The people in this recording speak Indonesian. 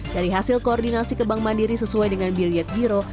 dari hasil koordinasi ke bank mandiri sesuai dengan biliet biro